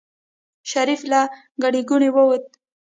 شريف له ګڼې ګوڼې ووت.